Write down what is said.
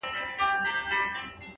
خپل مسیر د وجدان په رڼا وټاکئ.!